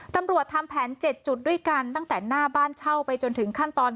ทำแผน๗จุดด้วยกันตั้งแต่หน้าบ้านเช่าไปจนถึงขั้นตอน